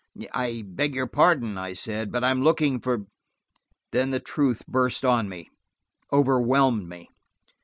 "I beg your pardon," I said, "but I am looking for–" Then the truth burst on me, overwhelmed me.